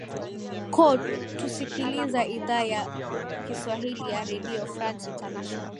ko tusikiliza idhaa ya kiswahili ya redio france international